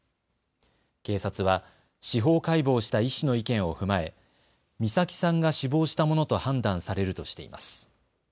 警察は司法解剖した医師の意見を踏まえ、美咲さんが死亡したものと判断されるとしています。